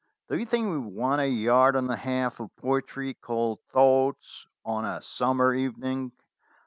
Do you think we want a yard and a half of poetry called 'Thoughts on a Summer Evening'?